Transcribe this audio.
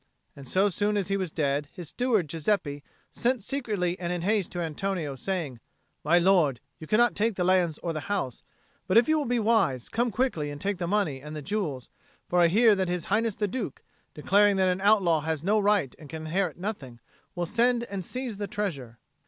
And so soon as he was dead, his steward Giuseppe sent secretly and in haste to Antonio, saying, "My lord, you cannot take the lands or the house; but, if you will be wise, come quickly and take the money and the jewels; for I hear that His Highness the Duke, declaring that an outlaw has no right and can inherit nothing, will send and seize the treasure."